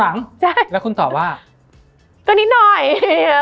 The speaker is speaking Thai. มันทำให้ชีวิตผู้มันไปไม่รอด